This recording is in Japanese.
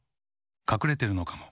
かくれてるのかも。